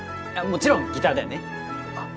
もちろんギターだよね・あっ